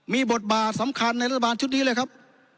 มีบทบาทสำคัญในรัฐบาลชุดนี้เลยครับ